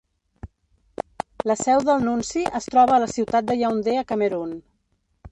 La seu del nunci es troba a la ciutat de Yaoundé a Camerun.